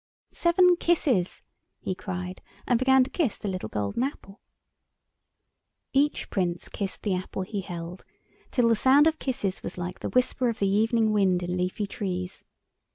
"Seven kisses!" he cried, and began to kiss the little gold apple. Each Prince kissed the apple he held, till the sound of kisses was like the whisper of the evening wind in leafy trees.